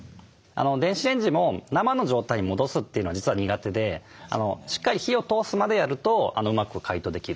電子レンジも生の状態に戻すというのは実は苦手でしっかり火を通すまでやるとうまく解凍できる。